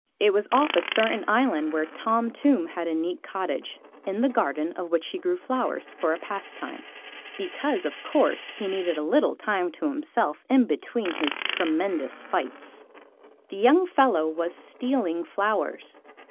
It was off a certain island where Tom Tomb had a neat cottage, in the garden of which he grew flowers for a pastime. Because, of course, he needed a little time to himself in between his tremendous fights. The young fellow was stealing flowers.